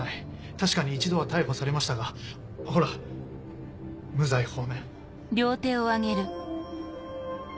確かに一度は逮捕されましたがほら無罪放免。